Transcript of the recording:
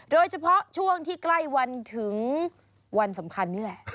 โดยเฉพาะช่วงที่ใกล้วันถึงวันสำคัญนี่แหละ